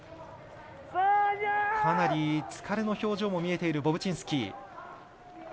かなり、疲れの表情も見えているボブチンスキー。